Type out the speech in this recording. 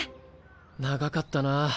長かったな。